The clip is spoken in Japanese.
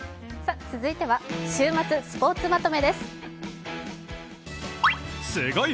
続いては週末スポーツまとめです。